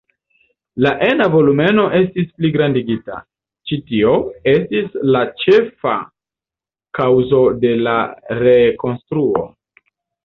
La ena volumeno estis pligrandigita, ĉi tio estis la ĉefa kaŭzo de la rekonstruo.